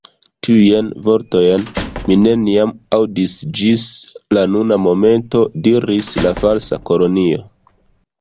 "Tiujn vortojn mi neniam aŭdis ĝis la nuna momento," diris la Falsa Kelonio.